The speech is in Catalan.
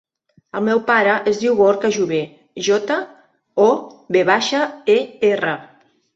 El meu pare es diu Gorka Jover: jota, o, ve baixa, e, erra.